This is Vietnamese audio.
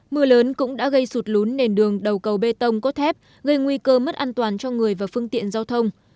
mưa lớn cũng đã gây sụt lún nền đường đầu cầu bê tông cốt thép gây nguy cơ mất an toàn cho người và phương tiện giao thông